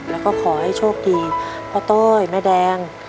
แล้วก็ขอให้โชคดีพ่อต้อยแม่แดง